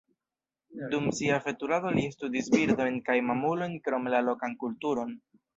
Dum sia veturado li studis birdojn kaj mamulojn krom la lokan kulturon.